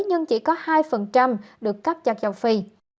nhưng chỉ có hai được cấp cho châu phi